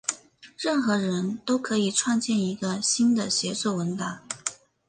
任何人都可以创建一个新的协作文档。